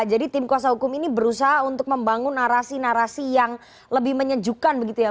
tim kuasa hukum ini berusaha untuk membangun narasi narasi yang lebih menyejukkan begitu ya